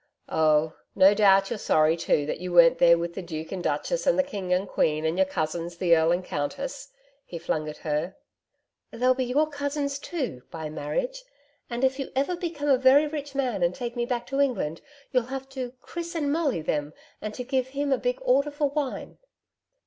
'Oh, no doubt you're sorry too that you weren't there with the Duke and Duchess, and the King and Queen, and your cousins, the Earl and Countess,' he flung at her. 'They'll be your cousins too by marriage. And if you ever become a very rich man and take me back to England, you'll have to "Chris and Molly" them and to give him a big order for wine....'